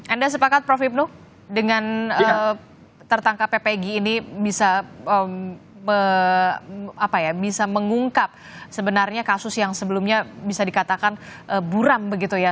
anda sepakat prof ibnu dengan tertangkap pg ini bisa mengungkap sebenarnya kasus yang sebelumnya bisa dikatakan buram begitu ya